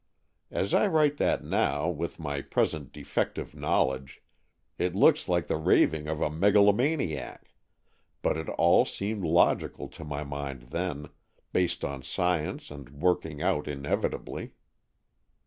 As I write that now, with my present defective knowledge, it looks like the raving of a megalomaniac, but it all seemed logical to my mind then, based on science and work ing out inevitably.